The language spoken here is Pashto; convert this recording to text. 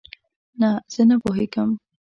نه، زه نه پوهیږم